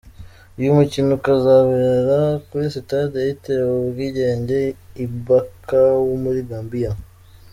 Uyu mukino ukazabera kuri sitade yitiriwe ubwigenge i Bakau muri Gambia.